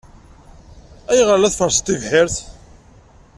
Ayɣer ay la tferrseḍ tibḥirt?